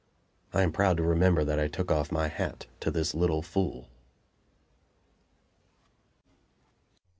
I am proud to remember that I took off my hat to this little fool.